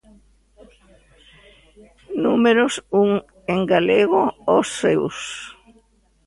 Números un en galego, os seus.